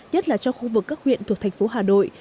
nhất là cho khu vực các huyện thuộc thành phố